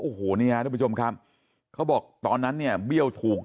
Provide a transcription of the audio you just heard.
โอ้โหนี่ฮะทุกผู้ชมครับเขาบอกตอนนั้นเนี่ยเบี้ยวถูก